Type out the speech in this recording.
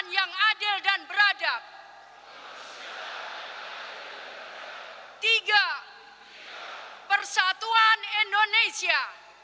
seluruh rakyat indonesia